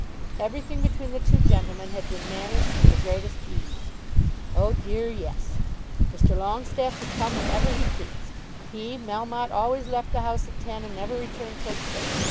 Everything between the two gentlemen had been managed with the greatest ease. Oh dear, yes! Mr. Longestaffe could come whenever he pleased. He, Melmotte, always left the house at ten and never returned till six.